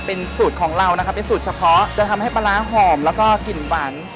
เป็นสูตรของเรานะคะเป็นสูตรเฉพาะจะทำให้ปลาร้าหอมแล้วก็กลิ่นหวาน